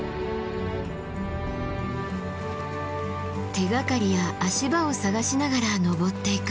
手がかりや足場を探しながら登っていく。